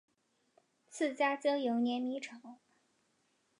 自家经营碾米厂